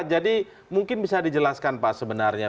jadi mungkin bisa dijelaskan pak sebenarnya